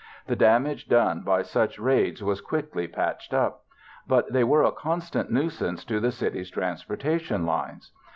The damage done by such raids was quickly patched up, but they were a constant nuisance to the city's transportation lines.